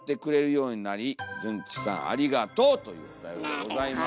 というおたよりでございます。